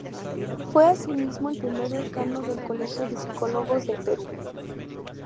Fue asimismo el primer Decano del Colegio de Psicólogos del Perú.